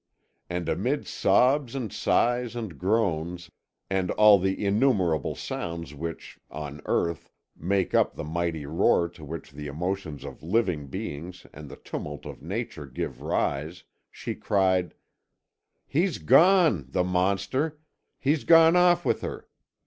And amid sobs and sighs and groans and all the innumerable sounds which, on earth, make up the mighty uproar to which the emotions of living beings and the tumult of nature give rise, she cried: "He's gone, the monster! He's gone off with her.